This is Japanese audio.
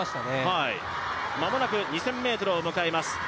まもなく２０００ｍを迎えます。